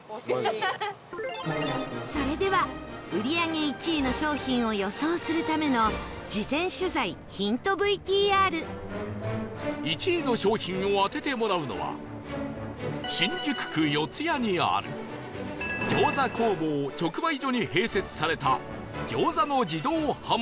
それでは売り上げ１位の商品を予想するための事前取材ヒント ＶＴＲ１位の商品を当ててもらうのは新宿区四谷にある餃子工房直売所に併設された